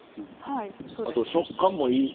あと食感もいい。